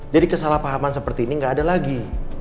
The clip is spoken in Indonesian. jadi kesalahpahaman seperti ini nggak ada lagi